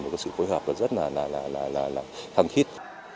một sự phối hợp rất là thăng khít